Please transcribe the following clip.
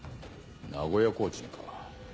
名古屋コーチンか。